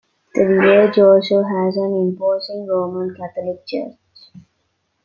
The village also has an imposing Roman Catholic church.